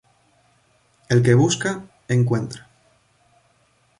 El que busca, encuentra